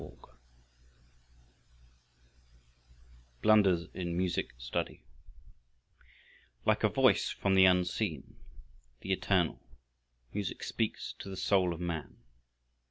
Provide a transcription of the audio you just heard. II Blunders in Music Study Like a voice from the Unseen, the Eternal, music speaks to the soul of man.